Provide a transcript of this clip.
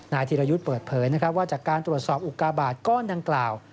ธิรยุทธ์เปิดเผยนะครับว่าจากการตรวจสอบอุกาบาทก้อนดังกล่าว